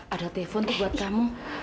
ada telepon buat kamu